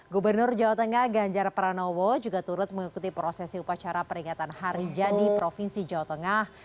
gubernur jawa tengah ganjar pranowo juga turut mengikuti prosesi upacara peringatan hari jadi provinsi jawa tengah